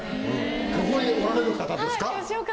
ここにおられる方ですか？